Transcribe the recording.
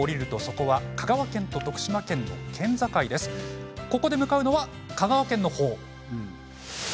ここで向かうのは香川県のほう。